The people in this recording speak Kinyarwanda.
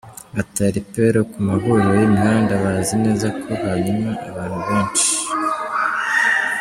Batera iperu ku mahuriro y’imihanda bazi neza ko hanyura abantu benshi.